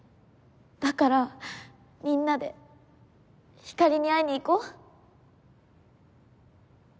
だからみんなでひかりに会いに行こう？